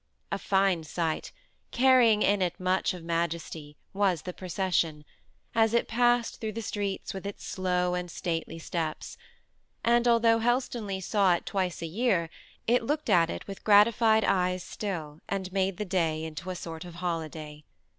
A fine sight, carrying in it much of majesty, was the procession, as it passed through the streets with its slow and stately steps; and although Helstonleigh saw it twice a year, it looked at it with gratified eyes still, and made the day into a sort of holiday.